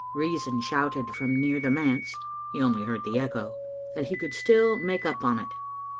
Reason shouted from near the manse (he only heard the echo) that he could still make up on it.